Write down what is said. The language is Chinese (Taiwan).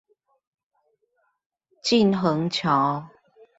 靳珩橋